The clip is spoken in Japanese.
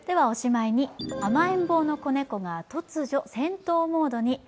おしまいに、甘えん坊の子猫が突如、戦闘モードに。